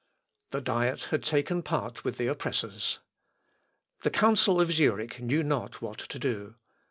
The Diet had taken part with the oppressors. The council of Zurich knew not what to do.